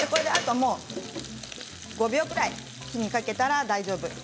あとは５秒ぐらい火にかけたら大丈夫。